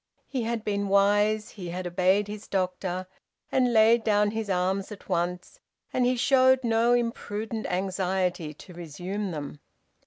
He had been wise; he had obeyed his doctor, and laid down his arms at once; and he showed no imprudent anxiety to resume them.